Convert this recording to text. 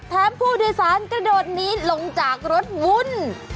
ผู้โดยสารกระโดดนี้ลงจากรถวุ่น